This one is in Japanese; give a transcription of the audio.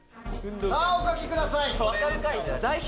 さぁお書きください。